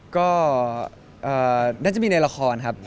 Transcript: ก็น่าจะมีในละครครับ